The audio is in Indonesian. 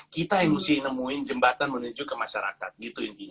kita yang mesti nemuin jembatan menuju ke masyarakat gitu intinya